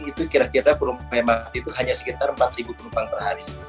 itu kira kira memang itu hanya sekitar empat penumpang per hari